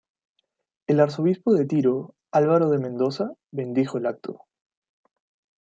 El arzobispo de Tiro, Álvaro de Mendoza, bendijo el acto.